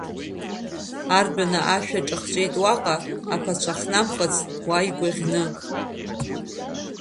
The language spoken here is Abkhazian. Ардәына ашәа ҿахҵәеит уаҟа, аԥацәа хнамхыцт уа игәаӷьны.